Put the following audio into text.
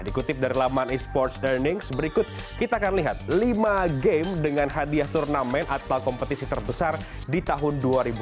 dikutip dari laman e sports learnings berikut kita akan lihat lima game dengan hadiah turnamen atau kompetisi terbesar di tahun dua ribu delapan belas